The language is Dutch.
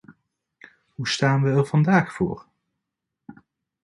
Hoe staan we er vandaag voor?